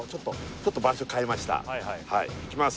ちょっと場所変えましたいきます